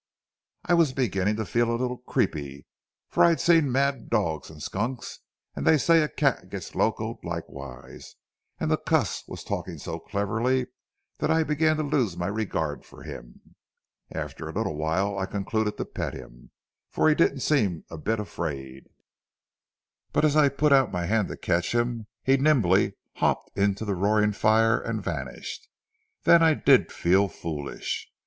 "I was beginning to feel a little creepy, for I'd seen mad dogs and skunks, and they say a cat gets locoed likewise, and the cuss was talking so cleverly that I began to lose my regard for him. After a little while I concluded to pet him, for he didn't seem a bit afraid; but as I put out my hand to catch him, he nimbly hopped into the roaring fire and vanished. Then I did feel foolish.